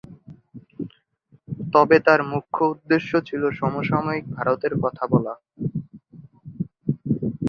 তবে তার মুখ্য উদ্দেশ্য ছিল সমসাময়িক ভারতের কথা বলা।